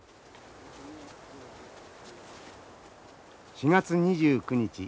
４月２９日